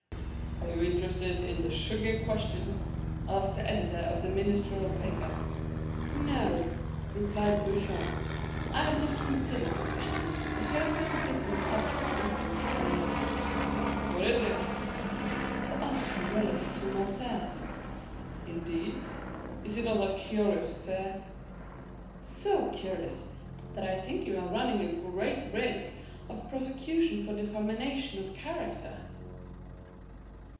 "Are you interested in the sugar question?" asked the editor of the ministerial paper. "No," replied Beauchamp, "I have not considered the question; a totally different subject interests me." "What is it?" "The article relative to Morcerf." "Indeed? Is it not a curious affair?" "So curious, that I think you are running a great risk of a prosecution for defamation of character."